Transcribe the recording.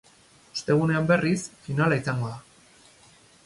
Ostegunean, berriz, finala izango da.